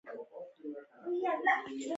د انسان تخیل د ټولیزې مرستې شبکې جوړې کړې.